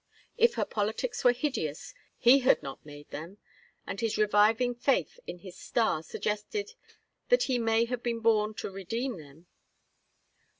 If her politics were hideous he had not made them, and his reviving faith in his star suggested that he may have been born to redeem them.